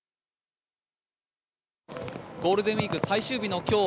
ゴールデンウィーク最終日の今日